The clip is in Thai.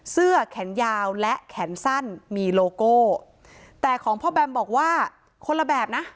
เสื้อแขนยาวและแขนสั้นมีโลโก้แต่ของพ่อแบมบอกว่าคนละแบบนะ